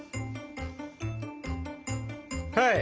はい！